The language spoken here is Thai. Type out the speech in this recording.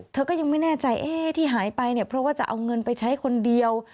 เธอก็ยังไม่แน่ใจที่หายไปเนี่ยเพราะว่าจะเอาเงินไปใช้คนเดียว